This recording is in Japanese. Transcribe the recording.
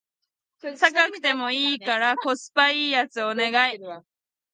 高くてもいいからコスパ良いやつお願い